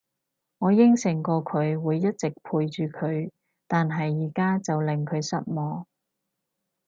我應承過佢會一直陪住佢，但係而家就令佢失望